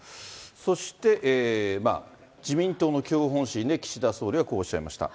そして、自民党の基本方針で岸田総理はこうおっしゃいました。